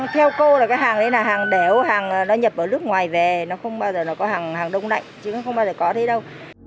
theo cô là cái hàng đấy là hàng đẻo hàng nó nhập ở nước ngoài về nó không bao giờ có hàng đông nạnh chứ không bao giờ có thế đâu